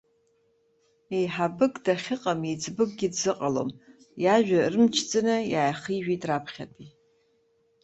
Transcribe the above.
Еиҳабык дахьыҟам, еиҵбыкгьы дзыҟалом, иажәа ырмчӡаны иаахижәеит раԥхьатәи.